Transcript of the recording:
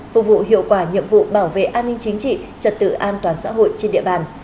phục vụ hiệu quả nhiệm vụ bảo vệ an ninh chính trị trật tự an toàn xã hội trên địa bàn